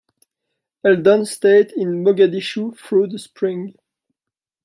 Eldon stayed in Mogadishu through the spring.